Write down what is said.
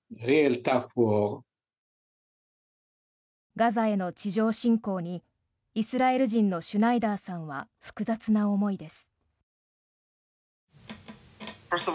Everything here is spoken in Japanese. ガザへの地上侵攻にイスラエル人のシュナイダーさんは複雑な思いです。